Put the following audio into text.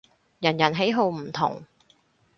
人人喜好唔同